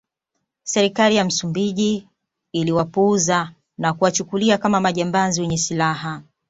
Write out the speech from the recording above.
Serikali ya Msumbiji iliwapuuza na kuwachukulia kama majambazi wenye silaha